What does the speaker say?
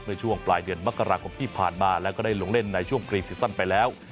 ช่วงปลายเดือนมกราคมที่ผ่านมาแล้วก็ได้ลงเล่นในช่วงกรีซีซั่นไปแล้ว